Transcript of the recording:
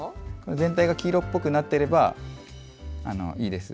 全体が金色っぽくなっていればいいです。